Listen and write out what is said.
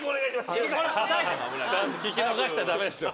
聞き逃したらダメですよ。